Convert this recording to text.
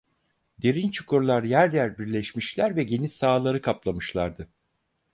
Derin çukurlar yer yer birleşmişler ve geniş sahaları kaplamışlardı.